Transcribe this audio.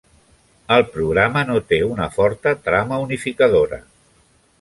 El programa no té una forta trama unificadora.